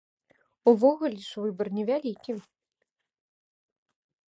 Увогуле ж выбар невялікі.